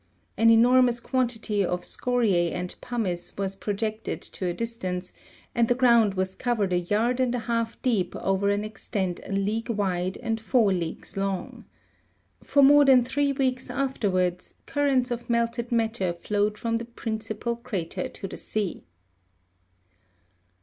An enormous quantity of scoriae and pumice was projected to a distance, and the ground was covered a yard and a half deep over an extent a league wide and four leagues long. For more than three weeks afterwards currents of melted matter flowed from the principal crater to the sea.